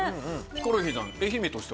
ヒコロヒーさん。